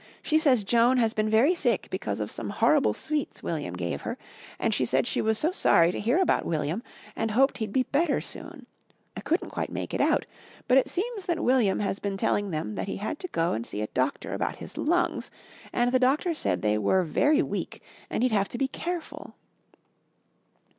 "She says Joan has been very sick because of some horrible sweets William gave her, and she said she was so sorry to hear about William and hoped he'd be better soon. I couldn't quite make it out, but it seems that William has been telling them that he had to go and see a doctor about his lungs and the doctor said they were very weak and he'd have to be careful."